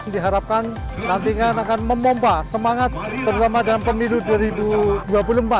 diharapkan nantinya akan memompah semangat terutama dalam pemilu dua ribu dua puluh empat